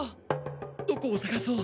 どこをさがそう。